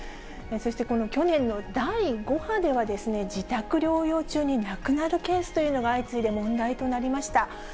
そして去年の第５波では、自宅療養中に亡くなるケースというのが相次いで問題となりました。